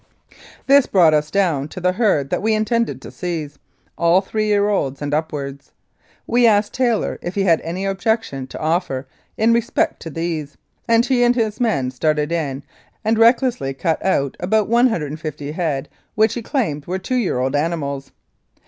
This brought us down to the herd that we intended to seize all three year olds and upwards. We asked Taylor if he had any objection to offer in respect to these, and he and his men started in and recklessly cut out about 150 head which he claimed were two year old animals.